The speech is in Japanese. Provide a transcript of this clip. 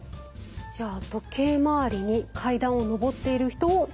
じゃあ時計回りに階段を上っている人をたどっていきますね。